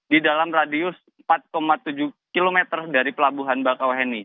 di dalam radius empat tujuh km dari pelabuhan bakauheni